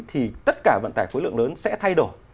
thì tất cả bản tài khối lượng lớn sẽ thay đổi